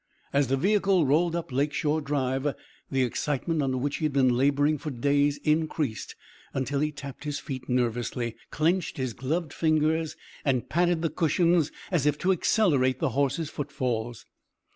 As the vehicle rolled up Lake Shore Drive the excitement under which he had been laboring for days increased until he tapped his feet nervously, clenched his gloved fingers, and patted the cushions as if to accelerate the horse's footfalls.